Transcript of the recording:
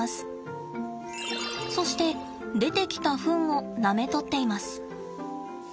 そして出てきたフンをなめとっています。